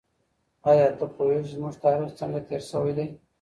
ايا ته پوهېږې چي زموږ تاريخ څنګه تېر شوی دی؟